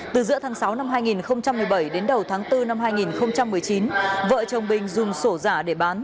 từ giữa tháng sáu năm hai nghìn một mươi bảy đến đầu tháng bốn năm hai nghìn một mươi chín vợ chồng bình dùng sổ giả để bán